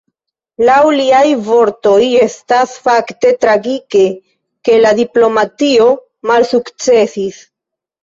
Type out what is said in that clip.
Laŭ liaj vortoj estas "fakte tragike, ke la diplomatio malsukcesis.